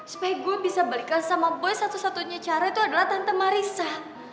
supaya gue bisa belikan sama boy satu satunya cara itu adalah tante marisa